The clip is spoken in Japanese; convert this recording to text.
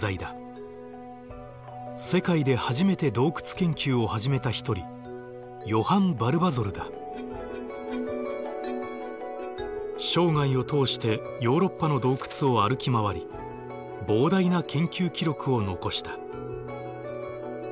世界で初めて洞窟研究を始めた一人生涯を通してヨーロッパの洞窟を歩き回り膨大な研究記録を残した。